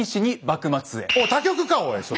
他局かおいそれ。